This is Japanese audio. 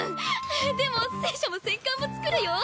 でも戦車も戦艦も作るよ。